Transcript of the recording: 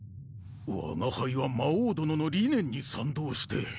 我が輩は魔王殿の理念に賛同して。